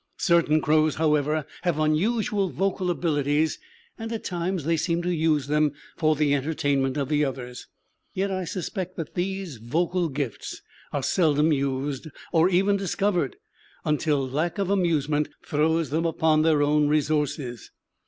Certain crows, however, have unusual vocal abilities, and at times they seem to use them for the entertainment of the others. Yet I suspect that these vocal gifts are seldom used, or even discovered, until lack of amusement throws them upon their own resources.